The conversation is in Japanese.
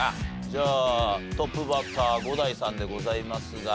じゃあトップバッター伍代さんでございますが。